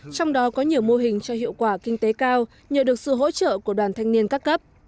trong đó có nhiều mô hình cho hiệu quả kinh tế cao nhờ được sự hỗ trợ của đoàn thanh niên các cấp